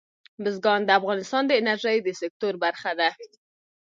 بزګان د افغانستان د انرژۍ د سکتور برخه ده.